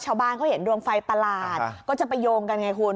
ชาวบ้านเขาเห็นดวงไฟประหลาดก็จะไปโยงกันไงคุณ